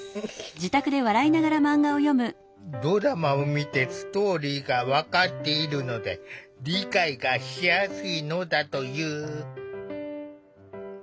ドラマを見てストーリーが分かっているので理解がしやすいのだという。